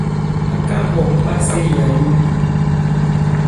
Aká hɔ npá se Yayó li.